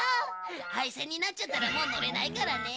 廃線になっちゃったらもう乗れないからね。